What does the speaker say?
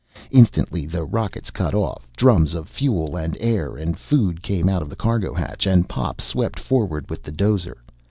Instantly the rockets cut off, drums of fuel and air and food came out of the cargo hatch and Pop swept forward with the dozer.